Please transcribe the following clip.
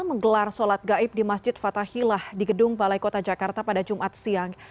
menggelar sholat gaib di masjid fatahilah di gedung balai kota jakarta pada jumat siang